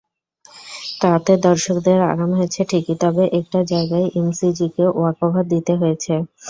তাতে দর্শকদের আরাম হয়েছে ঠিকই, তবে একটা জায়গায় এমসিজিকে ওয়াকওভার দিতে হয়েছে।